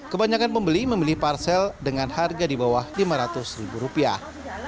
kebanyakan pembeli memilih parsel dengan harga di bawah lima ratus ribu rupiah